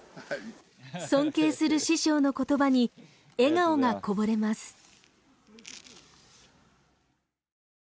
尊敬する師匠の言葉に笑顔がこぼれます。